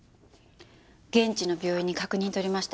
現地の病院に確認取りました。